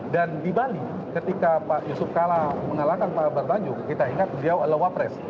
dan di bali ketika pak yusuf kala mengalahkan pak bardaunjuk kita ingat dia lewa pres